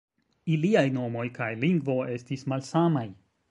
Iliaj nomoj kaj lingvo estis malsamaj.